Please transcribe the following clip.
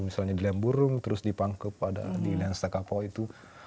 misalnya di liang burung terus di pangkep di liang setak kapau itu dua puluh empat